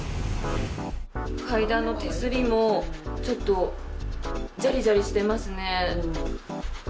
階段の手すりもちょっとジャリジャリしてますね。